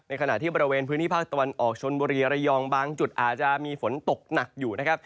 ขณะที่บริเวณพื้นที่ภาคตะวันออกชนบุรีระยองบางจุดอาจจะมีฝนตกหนักอยู่นะครับ